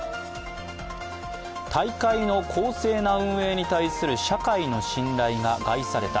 大会の公正な運営に対する社会の信頼が害された。